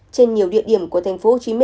trên nhiều địa điểm của tp hcm